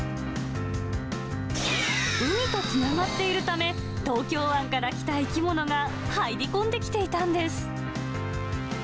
海とつながっているため、東京湾から来た生き物が入り込んできていたんです。